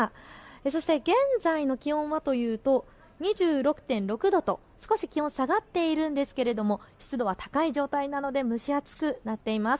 そして現在の気温はというと２６．６度と少し気温下がっているんですが、湿度は高い状態なので蒸し暑くなっています。